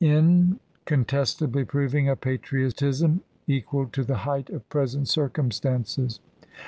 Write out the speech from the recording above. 255 contestably proving a patriotism equal to the height of present circumstances."